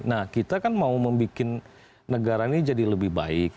nah kita kan mau membuat negara ini jadi lebih baik